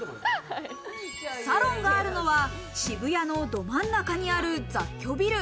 サロンがあるのは渋谷のど真ん中にある雑居ビル。